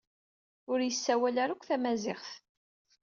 Ur yessawal ara akk tamaziɣt.